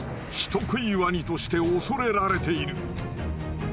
人食いワニとして恐れられている。